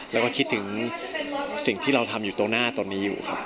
แล้วก็คิดถึงสิ่งที่เราทำอยู่ตรงหน้าตอนนี้อยู่ครับ